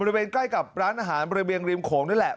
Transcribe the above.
ใกล้กับร้านอาหารบริเวณริมโขงนี่แหละ